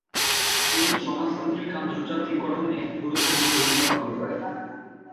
তিনি সমাজতান্ত্রিক আন্তর্জাতিক গঠনে গুরুত্বপূর্ণ ভূমিকা পালন করেন।